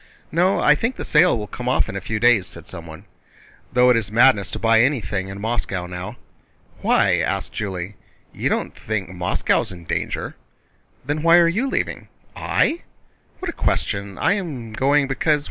"No, I think the sale will come off in a few days," said someone. "Though it is madness to buy anything in Moscow now." "Why?" asked Julie. "You don't think Moscow is in danger?" "Then why are you leaving?" "I? What a question! I am going because...